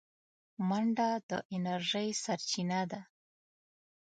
منډه د انرژۍ سرچینه ده